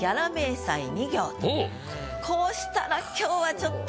こうしたら今日はちょっと。